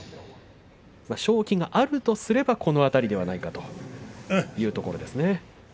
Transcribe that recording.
勝機があるとすればこの辺りではないかというところですね。